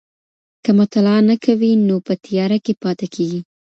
که مطالعه نه کوې نو په تياره کي پاته کېږې.